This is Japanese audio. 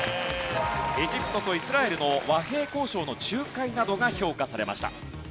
エジプトとイスラエルの和平交渉の仲介などが評価されました。